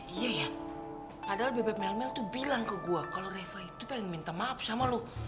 iya padahal bebek melmel tuh bilang ke gue kalau reva itu pengen minta maaf sama lo